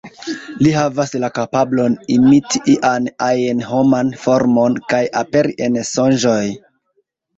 Li havas la kapablon imiti ian-ajn homan formon kaj aperi en sonĝoj.